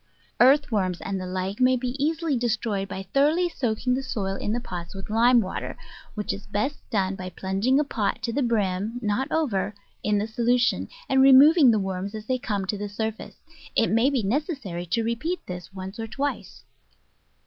Earth worms and the like may be easily destroyed by thoroughly soaking the soil in the pots with lime water, which is best done by plunging a pot to the brim (not over) in the solution, and removing the worms as they come to the surface. It may be nec essary to repeat this once or twice.